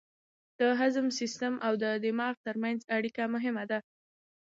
د هضم سیستم او دماغ ترمنځ اړیکه مهمه ده.